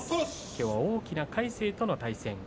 きょうは大きな魁聖との対戦。